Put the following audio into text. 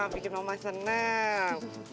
bikin mama seneng